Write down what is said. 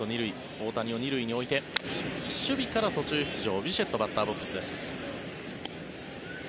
大谷を２塁に置いて守備から途中出場、ビシェットバッターボックスです。